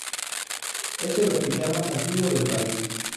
Es el hospital más antiguo del país.